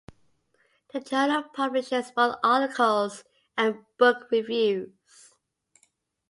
The journal publishes both articles and book reviews.